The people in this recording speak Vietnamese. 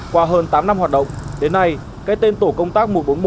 qua hơn tám năm hoạt động đến nay cái tên tổ công tác một trăm bốn mươi một